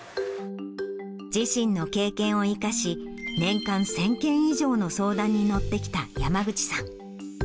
自身の経験を生かし、年間１０００件以上の相談に乗ってきた山口さん。